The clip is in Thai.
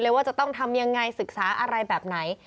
ว่าจะต้องทำยังไงศึกษาอะไรแบบไหน